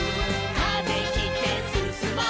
「風切ってすすもう」